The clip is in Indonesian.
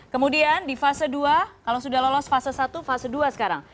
kemudian di fase dua kalau sudah lolos fase satu fase dua sekarang